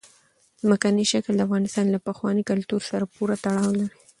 ځمکنی شکل د افغانستان له پخواني کلتور سره پوره تړاو لري.